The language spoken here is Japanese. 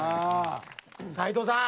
斉藤さん。